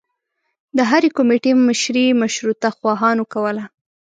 د هرې کومیټي مشري مشروطه خواهانو کوله.